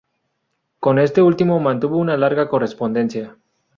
Con este último mantuvo una larga correspondencia.